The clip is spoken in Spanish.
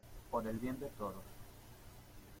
por el bien de todos.